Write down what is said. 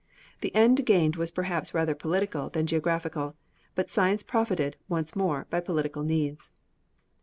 The end gained was perhaps rather political than geographical; but science profited, once more, by political needs.